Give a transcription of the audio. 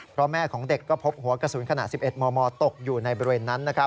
เพราะแม่ของเด็กก็พบหัวกระสุนขนาด๑๑มมตกอยู่ในบริเวณนั้น